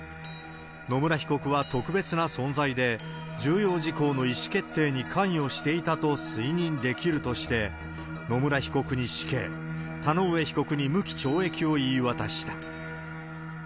野村被告は特別な存在で、重要事項の意思決定に関与していたと推認できるとして、野村被告に死刑、田上被告に無期懲役を言い渡した。